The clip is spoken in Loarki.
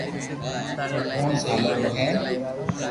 او پونچ سالو رو ھي